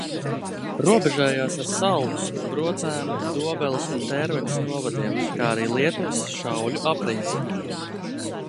Robežojās ar Saldus, Brocēnu, Dobeles un Tērvetes novadiem, kā arī Lietuvas Šauļu apriņķi.